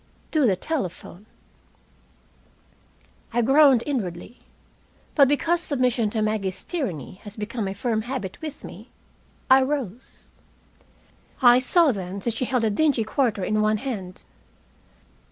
"To the telephone." I groaned inwardly. But, because submission to Maggie's tyranny has become a firm habit with me, I rose. I saw then that she held a dingy quarter in one hand.